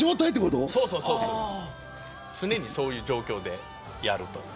常にそういう状況でやるという。